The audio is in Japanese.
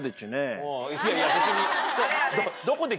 いやいや別に。